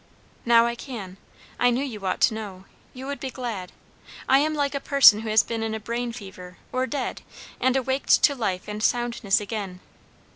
"Now I can. I knew you ought to know. You would be glad. I am like a person who has been in a brain fever or dead and awaked to life and soundness again.